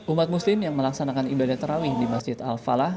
umat muslim yang melaksanakan ibadah terawih di masjid al falah